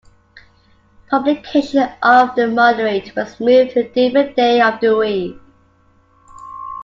Publication of "The Moderate" was moved to a different day of the week.